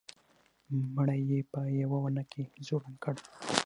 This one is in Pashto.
مړی یې په یوه ونه کې ځوړند کړ.